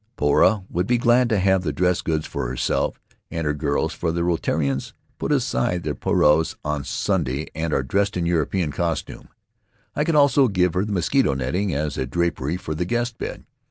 Poura would be glad to have the dress goods for herself and her girls, for the Rutiaroans put aside their parens on Sunday and dressed in European costume. I could also give her the mosquito netting as a drapery for the guest bed.